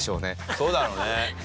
そうだろうね。